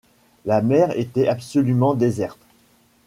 La mer était absolument déserte.